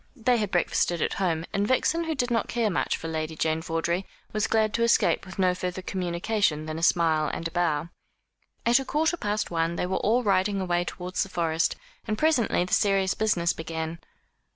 They had breakfasted at home; and Vixen, who did not care much for Lady Jane Vawdrey, was glad to escape with no further communication than a smile and a bow. At a quarter past one they were all riding away towards the Forest, and presently the serious business began.